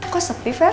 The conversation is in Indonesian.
kok sepi fer